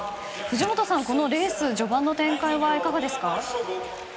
藤本さん、このレース序盤の展開はいかがですか？